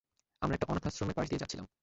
আমরা একটা অনাথ আশ্রমের পাশ দিয়ে যাচ্ছিলাম।